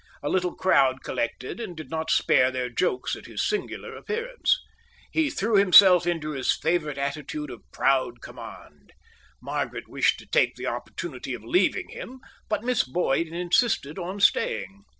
A little crowd collected and did not spare their jokes at his singular appearance. He threw himself into his favourite attitude of proud command. Margaret wished to take the opportunity of leaving him, but Miss Boyd insisted on staying.